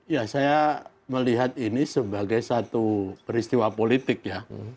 ya saya melihat ini sebagai satu peristiwa politik ya